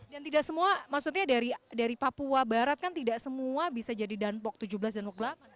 dan tidak semua maksudnya dari papua barat kan tidak semua bisa jadi dunpoc tujuh belas dan muklah